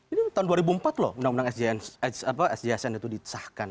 ini tahun dua ribu empat loh undang undang sjsn itu disahkan